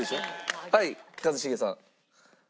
はい一茂さん。